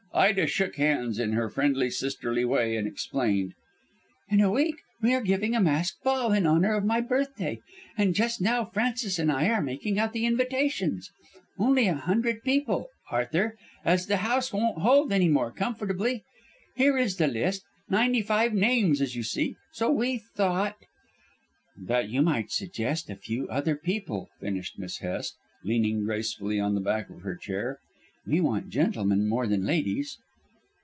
Ida shook hands in her friendly, sisterly way and explained. "In a week we are giving a masked ball in honour of my birthday, and just now Frances and I are making out the invitations. Only a hundred people, Arthur, as the house won't hold any more comfortably. Here is the list ninety five names, as you see. So we thought " "That you might suggest a few other people," finished Miss Hest, leaning gracefully on the back of her chair. "We want gentlemen more than ladies."